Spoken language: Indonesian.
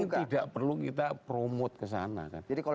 yang penting tidak perlu kita promote ke sana kan